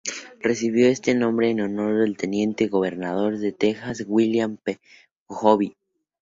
Recibió este nombre en honor del Teniente-Gobernador de Tejas William P. Hobby, Jr.